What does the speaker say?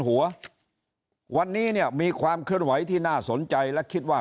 หัววันนี้เนี่ยมีความเคลื่อนไหวที่น่าสนใจและคิดว่า